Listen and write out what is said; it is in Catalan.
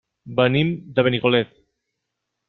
Venim de Benicolet.